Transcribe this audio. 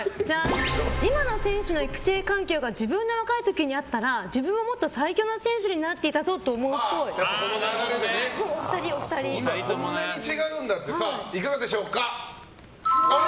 今の選手の育成環境が自分の若い時にあったら自分ももっと最強の選手になっていたぞといかがでしょうか。